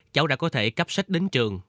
cháu đã có thể cấp sách đến trường